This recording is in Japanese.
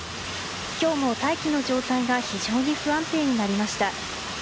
今日も大気の状態が非常に不安定になりました。